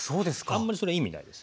あんまりそれ意味ないですね。